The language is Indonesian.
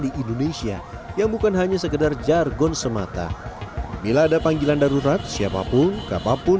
di indonesia yang bukan hanya sekedar jargon semata bila ada panggilan darurat siapapun kapanpun